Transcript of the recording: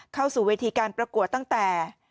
เข้าสู่เวทีการประกวดตั้งแต่